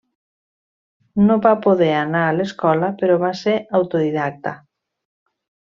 No va poder anar a l'escola però va ser autodidacta.